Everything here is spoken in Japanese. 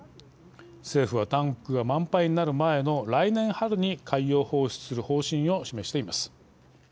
政府はタンクが満杯になる前の来年春に海洋放出する方針を示しています。